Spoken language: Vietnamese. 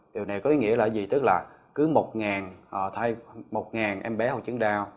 điều này có ý nghĩa là gì tức là cứ một em bé hội chứng đau